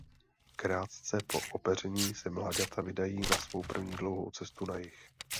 Krátce po opeření se mláďata vydávají na svou první dlouhou cestu na jih.